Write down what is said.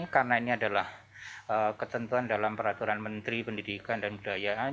karena ini adalah ketentuan dalam peraturan menteri pendidikan dan budayaan